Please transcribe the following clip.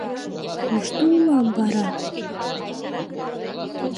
Кушто улам вара?»